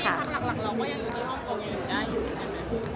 ทางหลักเราก็ยังอยู่ในฮ่องโกงยังอยู่ได้ค่ะ